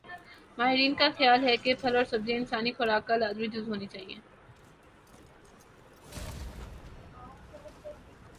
ماہرین کا خیال ہے کہ پھل اور سبزیاں انسانی خوراک کا لازمی جز ہونی چاہئیں